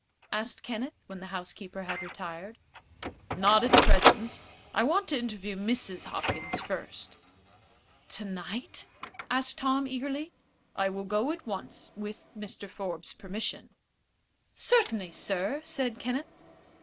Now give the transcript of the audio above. asked Kenneth, when the housekeeper had retired. "Not at present. I want to interview Mrs. Hopkins first." "Tonight?" asked Tom, eagerly. "I will go at once, with Mr. Forbes's permission." "Certainly, sir," said Kenneth.